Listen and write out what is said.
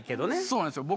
そうなんですよ。